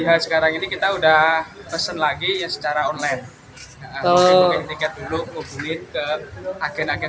hari sekarang ini kita udah pesen lagi secara online kalau ingin dulu hubungin ke agen agen